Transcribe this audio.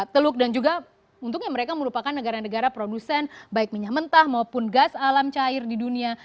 teluk dan juga untungnya mereka merupakan negara negara produsen baik minyak mentah maupun gas alam cair di dunia